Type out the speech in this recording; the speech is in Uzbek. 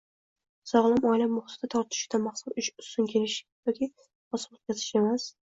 Sog‘lom oila muhitida tortishuvdan maqsad ustun kelish yoki bosim o‘tkazish emas.